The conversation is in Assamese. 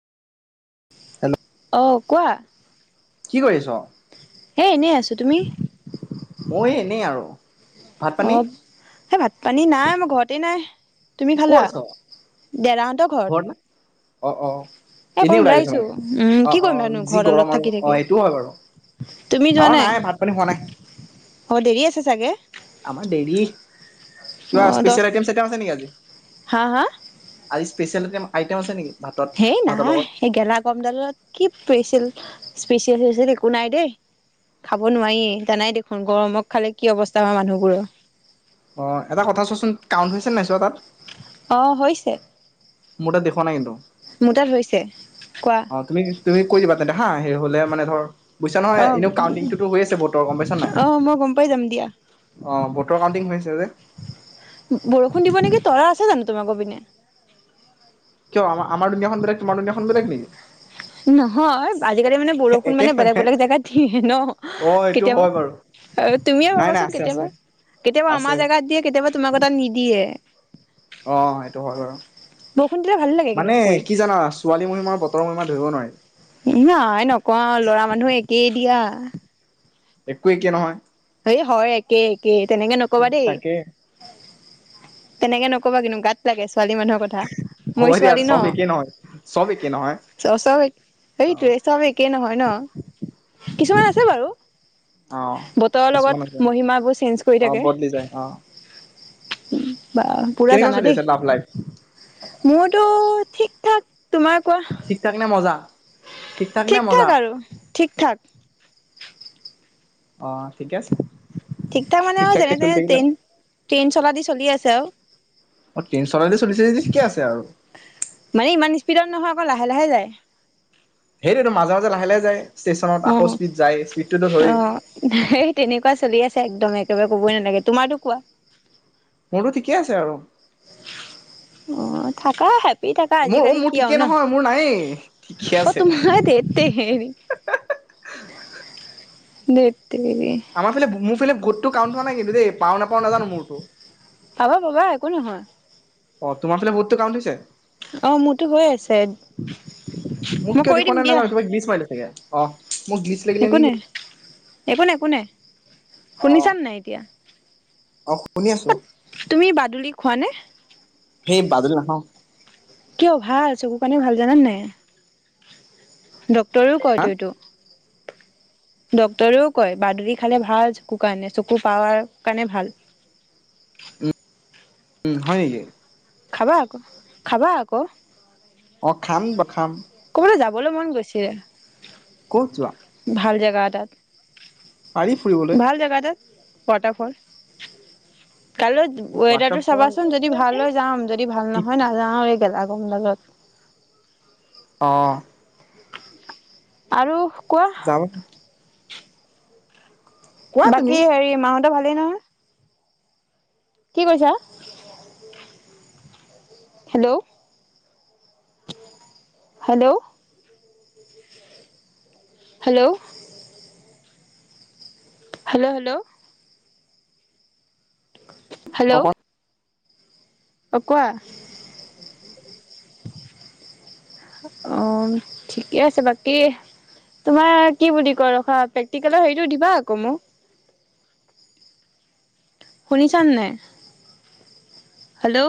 হেল্ল' ল' কোৱা কি কৰি আছ'? এই এনেই আছোঁ তুমি মই এনে আৰু। ভাত পানী অ' এ ভাত পানী নাই আৰু মই ঘৰতে নাই। তুমি ক'ত খালা? আছ? দেৰাহঁতৰ ঘৰত। অ', অ', অ' এ অকণ এনেই ওলাই উলাই গৈছ আহিছোঁ, মানে? উম, কি কৰিম অ', নো যি ঘৰ গৰম ডালত আৰু থাকি অ', থাকি, এইটোও হয় বাৰু তুমি যোৱা আমাৰ নাই? ভাত পানী হোৱা নাই। অ', দেৰি আছ ছে চাগে? আমাৰ দেইলি, কিবা অ' দহ ষ্পেচিয়েল আইটেম চাইটেম আছে নেকি আজি? হা হা আজি ষ্পেচিয়েল টেম আইটেম আছে নেকি? ভাতত ধেই ভাতৰ নাহ, লগত? এই গেলা গৰমত কি পেইছিল স্পেচিয়েল চচিয়েল একো নাই দেই, খাব নোৱাৰি, জানাই দেখোন, গৰমত খালে কি অৱস্থা হয় মানুহৰ। অ', এটা কথা চোৱাচোন, কাউন্ট হৈছে নে নাই তাত। অ' হৈছে মোৰ তাত দেখুওৱা নাই কিন্তু। মোৰ তাত হৈছে কোৱা অ', তুমি তুমি কৈ দিবা তেন্তে হা এ হ'লে মানে ধৰ বুজিছা নহয়, অ' এনেও কাউন্টিঙটোতো হৈয়েই আছে বতৰ গম পাইছা নে নাই? অ' মই গম পাই যাম দিয়া তোৰ কাউন্টিং হৈছ বৰষুণ দিব নেকি, তৰা আছে জানো? তোমালোকৰ পিনে কিয় আমা আমাৰ দুনিয়াখন বেলেগ, তোমাৰ দুনিয়াখন বেলেগ নেকি? নহয় আজিকালি মানে বৰষুণ মানে বেলেগ বেলেগ জেগাত দিয়ে ন' অ এইটো কেতিয়াবা, হয় বাৰু তুমিয়ে নাই নাই ভাবাচোন আছে আছে কেতিয়াবা, কেতিয়াবা আছে আমাৰ জেগাত দিয়ে, কেতিয়াবা তোমালোকৰ তাত নিদিয়ে। অ', সেইটো হয় বাৰু, বৰষুণ দিলে ভাল লাগে কিন্তু মানে শুই। কি জানা ছোৱালীৰ মহিমা বতৰৰ মহিমা ধৰিব নোৱাৰি। এ আই নকও আৰু ল'ৰা মানুহো একেই দিয়া। [inaudible] একো একে নহয়। এই হয় একেই। একে তেনেকে নকবা দেই। তাকে তেনেকে নকবা কিনো গাত লাগে। ছোৱালি মানুহৰ কথা। হ'ব ময়ো দিয়া ছোৱালী ন, চব একে নহয় চব একে নহয় চ চই অ সেইটোৱে চব একে নহয়। কিছুমান আছে বাৰু। অ বত লগত কিছুমান আছে মহিমাবোৰ চেঞ্জ কৰি অ থাকে। [inaudible] বদলি যায় অ [unintelligible] বাঃ পোৰা কেনেকুৱা জানা চলি দেই। আছে লাভ লাইফ মোৰটো ঠিকঠাক, তোমাৰ? ঠিকঠাক নে মজা? ঠিক ঠাক নে মজা ঠিকঠাক আৰু। ঠিকঠাক। অ' ঠিকে আছে। ঠিকঠাক মানে ঠিক আও ঠাককে যেনেতেনে চলি থাকিলে তেইন তেন্স [unintelligible] দি চলি আছে আও। অ', [unintelligible] [unintelligible] চলিছে যদি ঠিকে আছে আৰু। বৰ লাহে লাহে যায়। সেইটোৱেট মাজে মাজে লাহে লাহে যায়। ষ্টেচনত আকৌ অ', স্পীড যায় স্পীডটোতো ধৰি অ', সেই তেনেকুৱা চলি আছে একদম এক [unintelligible] কবই নালাগে, তোমাৰটো কোৱা? মোৰটো ঠিকেই আছে আৰু। অ', থাকাহেত। [unintelligible] থাকা মোৰ অ আজিকালি মোৰ কি আও ঠিকে নহ। নহয় মোৰ নায়েই ঠিকে অ', আছে তোমাৰ ধেৎতেৰি [inaudible] দেট। [unintelligible] [unintelligible] ঘোটটো কাউণ্ট হোৱা নাই কিন্তু দেই। পাওঁ নাপাওঁ নাজানো মোৰটো। পাবা পাবা একো নহয়। অ', তোমাৰফালে ভোটটো কাউন্ট হৈছে? অ', মোৰটো হৈ আছে, মই কৰি দিম দিয়া। অহ। মো গ্লিচ লাগিলে একো নিইত। নাই একো নাই কো নাই, শুনিছান নাই এতিয়া? অস। [unintelligible] তুমি বাদুলী খোৱানে? সেই বাদুলি নাখাওঁ কিয় ভাল, চকু কাৰনে ভাল জানান নাই। ডক [unintelligible] কয়টো এইটো। ডক্তৰেও কয়, বাদুলী খালে ভাল চকু কাৰণে, চকুৰ পাৱাৰ কাৰণে ভাল। ও হয় নেকি? খাবা আকৌ, খাবা আকৌ। অ' খাম ব খাম। [unintelligible] মন গৈছিলে ক'ত যোৱা? ভাল জেগা এটাত। পাৰি ফুৰিবলৈ। Water fall. কাইলৈ ৱেদাৰটো ৱাটাৰফল চাবাচোন, যদি ভাল হয় যাম, যদি ভাল নহয় নাযাও আৰু এই খেলা। [unintelligible] অ'। আৰু। কোৱা যাব তুমি বাকী হেৰি, মা হঁত ভালেই নহয়? কি কৰিছা অ'? Hello, hello. হেল্ল'। হেল্ল'হেল্ল'। [inaudible] অকল হেল্ল' অ' কোৱা। অ ঠিকে আছে বাকী, তোমাৰ কি বুলি কয় ৰখা, পেক্টিকেলৰ হেইটো দিবা আক'মোক। শুনিছানে নাই? হেল্ল'